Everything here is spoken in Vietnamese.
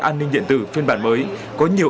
an ninh điện tử phiên bản mới có nhiều